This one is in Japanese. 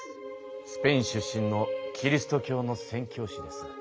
スペイン出身のキリスト教の宣教師です。